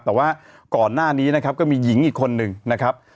แต่ว่าก่อนหน้านี้นะครับก็มีหญิงอีกคนนึงนะครับ